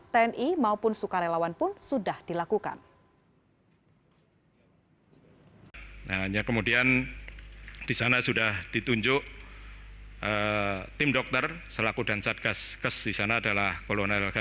tni maupun sukarelawan pun sudah dilakukan